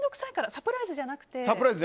サプライズじゃなくて。